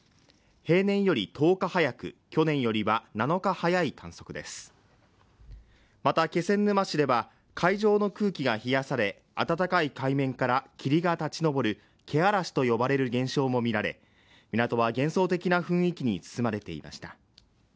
平年より１０日早く去年よりは７日早い観測ですまた気仙沼市でば海上の空気が冷やされ暖かい海面から霧が立ち上る気嵐と呼ばれる現象も見られ港は幻想的な雰囲気に包まれていました